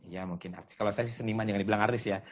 ya mungkin artis kalau saya sih seniman jangan dibilang artis ya